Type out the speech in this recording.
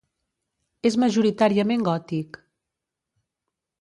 És majoritàriament gòtic.